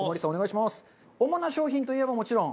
主な商品といえばもちろん。